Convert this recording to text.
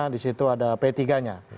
disitu ada p tiga nya